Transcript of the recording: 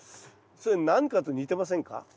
それ何かと似てませんか？